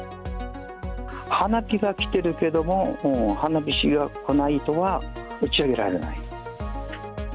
花火が来てるけども、花火師が来ないと打ち上げられない。